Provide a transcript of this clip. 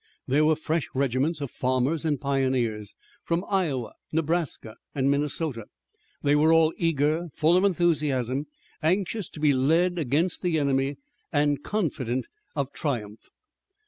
There were fresh regiments of farmers and pioneers from Iowa, Nebraska, and Minnesota. They were all eager, full of enthusiasm, anxious to be led against the enemy, and confident of triumph.